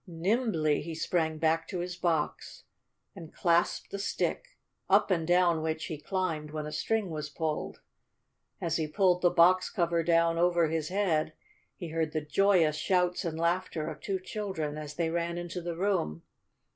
Nimbly he sprang back to his box, and clasped the stick, up and down which he climbed when a string was pulled. As he pulled the box cover down over his head he heard the joyous shouts and laughter of two children as they ran into the room.